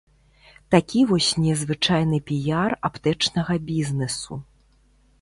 Такі вось незвычайны піяр аптэчнага бізнэсу.